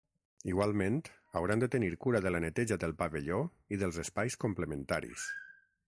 Igualment, hauran de tenir cura de la neteja del pavelló i dels espais complementaris.